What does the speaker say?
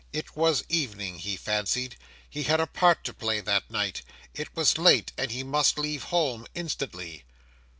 It was evening, he fancied; he had a part to play that night; it was late, and he must leave home instantly.